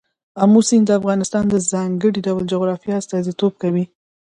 آمو سیند د افغانستان د ځانګړي ډول جغرافیه استازیتوب کوي.